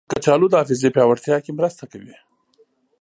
کچالو د حافظې پیاوړتیا کې مرسته کوي.